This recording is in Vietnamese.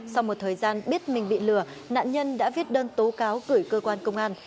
sau một thời gian biết mình bị lừa nạn nhân đã viết đơn tố cáo gửi cơ quan công an